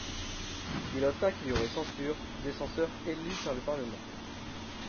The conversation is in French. Il obtint qu'il y aurait censure, des censeurs élus par le Parlement.